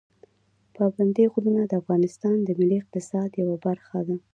پابندي غرونه د افغانستان د ملي اقتصاد یوه برخه ده.